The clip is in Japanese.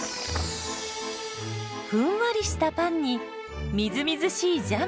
ふんわりしたパンにみずみずしいジャム。